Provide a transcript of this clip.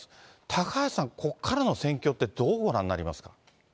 高橋さん、ここからの戦況ってどうご覧になりますか。